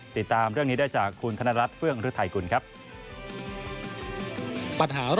ติดตามเรื่องนี้ได้จากคุณธนรัฐเฟื่องฤทัยกุลครับ